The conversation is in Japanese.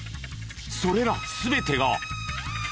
それら全てが。